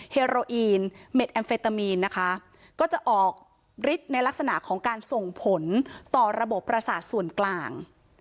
เฮโรอีนเม็ดแอมเฟตามีนนะคะก็จะออกฤทธิ์ในลักษณะของการส่งผลต่อระบบประสาทส่วนกลาง